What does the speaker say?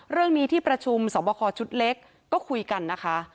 เรื่องนี้ที่ประชุมสอบคอชุดเล็กก็คุยกันนะคะ